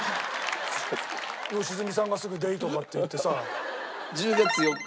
良純さんがすぐ「Ｄａｙ」とかって言ってさ。